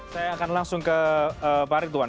saya akan langsung ke pak ridwan